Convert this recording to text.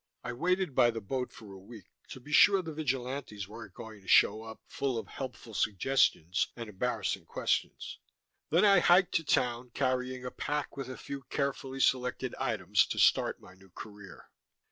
I waited by the boat for a week, to be sure the vigilantes weren't going to show up, full of helpful suggestions and embarassing questions; then I hiked to town, carrying a pack with a few carefully selected items to start my new career.